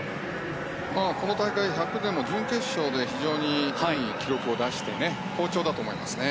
この大会１００でも準決勝で非常にいい記録を出して好調だと思いますね。